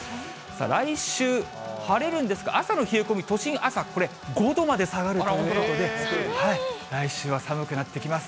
来週、晴れるんですが、朝の冷え込み、都心、朝、これ５度まで下がるということで、来週は寒くなってきます。